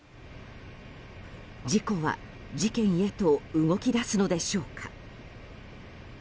事故は事件へと動き出すのでしょうか。